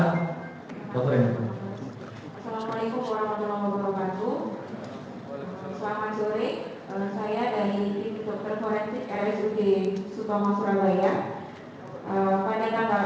assalamu'alaikum warahmatullahi wabarakatuh